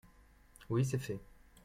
oui, c'est fait.